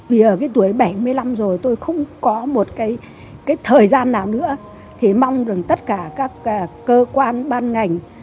vì ở cái tuổi bảy mươi năm rồi tôi không có một cái thời gian nào nữa thì mong rằng tất cả các cơ quan ban ngành